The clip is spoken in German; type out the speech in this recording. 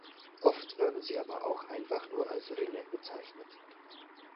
Oft werden sie aber auch einfach nur als Rinne bezeichnet.